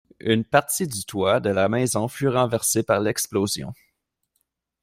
Une partie du toit de la maison fut renversée par l'explosion.